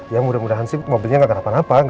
ya mudah mudahan sih mobilnya gak kena apa apa